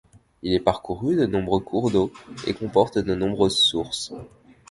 Il est parcouru de nombreux cours d'eau et comporte de nombreuses sources.